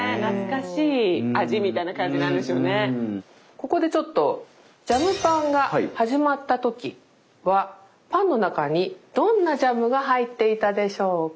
ここでちょっとジャムパンが始まったときはパンの中にどんなジャムが入っていたでしょうか？